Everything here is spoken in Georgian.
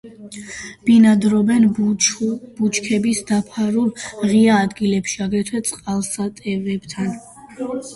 ბინადრობენ ბუჩქებით დაფარულ ღია ადგილებში, აგრეთვე წყალსატევებთან.